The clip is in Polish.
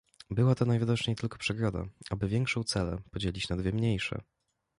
"Była to najwidoczniej tylko przegroda, aby większą celę podzielić na dwie mniejsze."